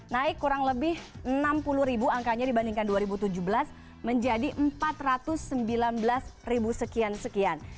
naik kurang lebih enam puluh ribu angkanya dibandingkan dua ribu tujuh belas menjadi empat ratus sembilan belas ribu sekian sekian